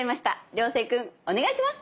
涼星君お願いします！